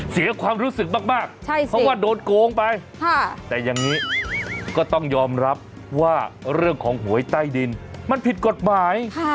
เสียความรู้สึกมากเพราะว่าโดนโกงไปแต่อย่างนี้ก็ต้องยอมรับว่าเรื่องของหวยใต้ดินมันผิดกฎหมาย